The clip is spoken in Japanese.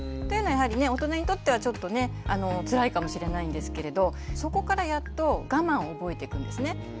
というのはやはりね大人にとってはちょっとねつらいかもしれないんですけれどそこからやっと我慢を覚えていくんですね。